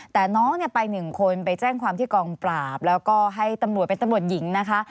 แต่น้องเนี่ยไปหนึ่งคนไปแจ้งความที่กองปราบแล้วก็ให้ตำรวจเป็นตำรวจหญิงนะคะ